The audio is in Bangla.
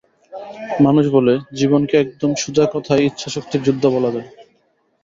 মানুষ বলে, জীবনকে একদম সোজাকথায় ইচ্ছাশক্তির যুদ্ধ বলা যায়।